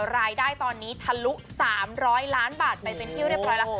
รายได้ตอนนี้ทะลุ๓๐๐ล้านบาทไปเป็นที่เรียบร้อยแล้ว